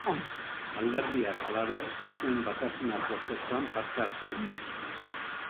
Alderdiak, halaber, ez zuen Batasuna prozesuan parte hartu.